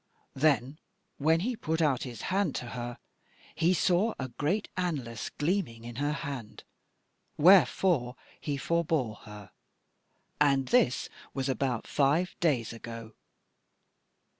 "Then when he put out his hand to her, he saw a great anlace gleaming in her hand, wherefore he forbore her; and this was but five days ago.